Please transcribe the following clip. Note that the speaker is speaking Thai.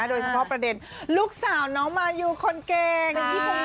โดยเฉพาะประเด็นลูกสาวน้องมายูคนเก่ง